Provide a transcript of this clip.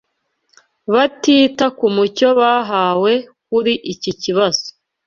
batita ku mucyo bahawe kuri iki kibazo